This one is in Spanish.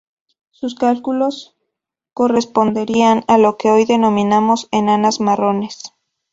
Sus cálculos corresponderían a lo que hoy denominamos enanas marrones.